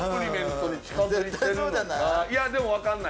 絶対そうじゃない？